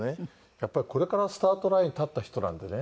やっぱりこれからスタートライン立った人なんでね。